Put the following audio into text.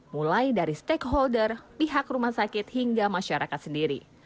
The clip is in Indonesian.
mulai dari stakeholder pihak rumah sakit hingga masyarakat sendiri